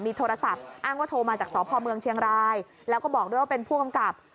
โทรศัพท์อ้างว่าโทรมาจากสพเมืองเชียงรายแล้วก็บอกด้วยว่าเป็นผู้กำกับ